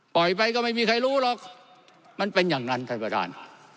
ไปก็ไม่มีใครรู้หรอกมันเป็นอย่างนั้นท่านประธาน